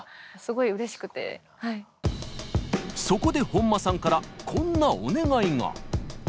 そこで本間さんからこんなお願いが。